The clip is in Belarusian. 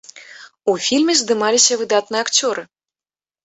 У фільме здымаліся выдатныя акцёры.